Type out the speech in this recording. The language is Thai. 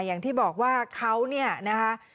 อย่างที่บอกว่าเขาเนี่ยนะคะ